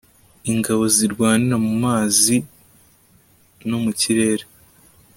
ingabo zirwanira mumazi no mukirere